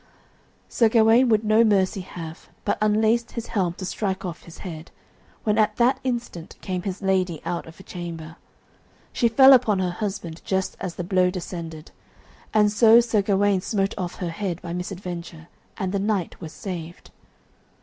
Sir Gawaine would no mercy have, but unlaced his helm to strike off his head, when at that instant came his lady out of a chamber. She fell upon her husband just as the blow descended, and so Sir Gawaine smote off her head by misadventure, and the knight was saved.